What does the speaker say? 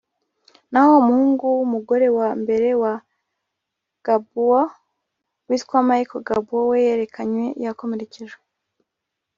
naho umuhungu w’umugore wa mbere wa Gbagbo witwa Michel Gbagbo we yerekanywe yakomerekejwe